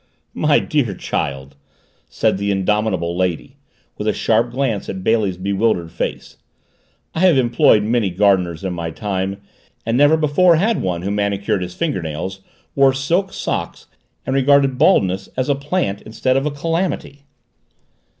"My dear child," said the indomitable lady, with a sharp glance at Bailey's bewildered face, "I have employed many gardeners in my time and never before had one who manicured his fingernails, wore silk socks, and regarded baldness as a plant instead of a calamity."